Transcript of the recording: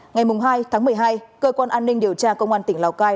ngày hai tháng một mươi hai cơ quan an ninh điều tra công an tỉnh lào cai